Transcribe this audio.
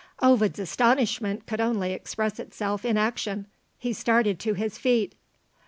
Ovid's astonishment could only express itself in action. He started to his feet.